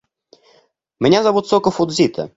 Меня зовут Соко Фудзита.